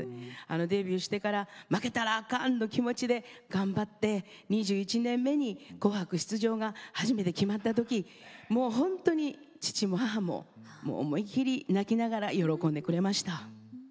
デビューしてから負けたらあかんの気持ちで頑張って２１年目に「紅白」出場が初めて決まった時もう本当に父も母も思い切り泣きながら喜んでくれました。